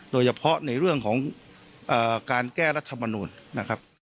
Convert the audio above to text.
โดยเฉพาะในเรื่องของการแก้รัฐมนูลนะครับ